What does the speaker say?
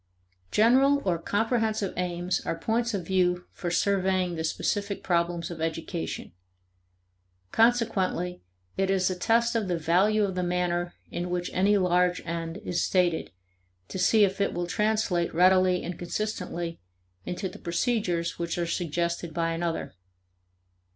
General or comprehensive aims are points of view for surveying the specific problems of education. Consequently it is a test of the value of the manner in which any large end is stated to see if it will translate readily and consistently into the procedures which are suggested by another.